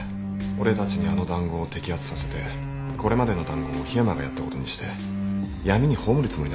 俺たちにあの談合を摘発させてこれまでの談合も樋山がやったことにして闇に葬るつもりなんでしょう。